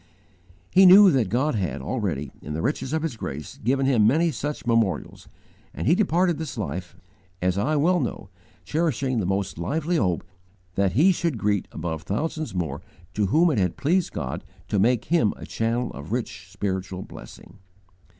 "He knew that God had, already, in the riches of His grace, given him many such memorials; and he departed this life, as I well know, cherishing the most lively hope that he should greet above thousands more to whom it had pleased God to make him a channel of rich spiritual blessing.